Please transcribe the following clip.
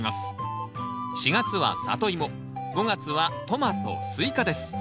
４月は「サトイモ」５月は「トマト」「スイカ」です。